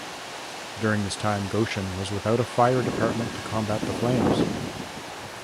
During this time, Goshen was without a fire department to combat the flames.